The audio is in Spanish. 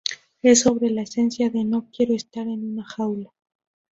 Es sobre la esencia de 'No quiero estar en una jaula.